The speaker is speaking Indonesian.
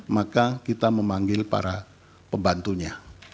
maka kita memanggil para pembantunya